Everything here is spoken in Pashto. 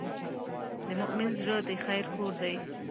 د مؤمن زړه د خیر کور دی.